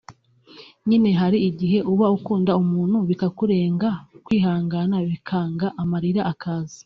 nyine hari igihe uba ukunda umuntu bikakurenga kwihangana bikanga amarira akaza